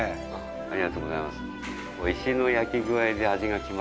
ありがとうございます。